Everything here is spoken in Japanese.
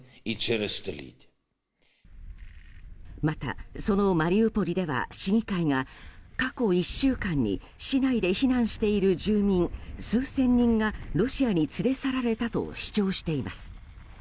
また、そのマリウポリでは市議会が過去１週間に市内で避難している住民数千人がロシアに連れ去られたと主張しています。